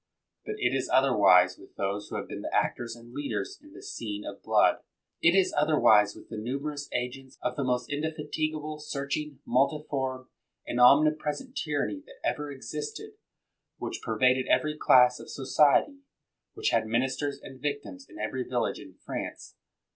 But it is otherwise with those who have been the actors and leaders in the scene of blood. It is otherwise with the numerous agents of the most indefatigable, searching, multiform, and omnipresent tyranny that ever existed, which pervaded every class of society, which had ministers and victims in every village in France.